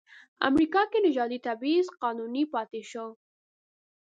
امریکا کې نژادي تبعیض قانوني پاتې شو.